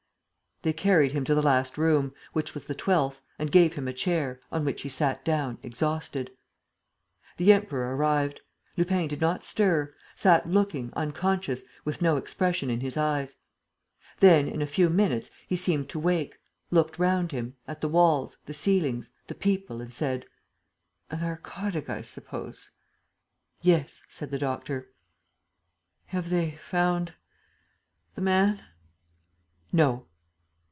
They carried him to the last room, which was the twelfth, and gave him a chair, on which he sat down, exhausted. The Emperor arrived: Lupin did not stir, sat looking, unconscious, with no expression in his eyes. Then, in a few minutes, he seemed to wake, looked round him, at the walls, the ceilings, the people, and said: "A narcotic, I suppose?" "Yes," said the doctor. "Have they found ... the man?" "No."